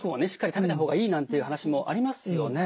食べた方がいいなんていう話もありますよね。